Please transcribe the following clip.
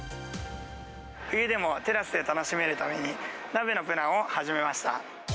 冬でもテラスで楽しめるために、鍋のプランを始めました。